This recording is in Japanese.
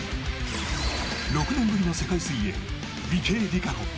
６年ぶりの世界水泳池江璃花子。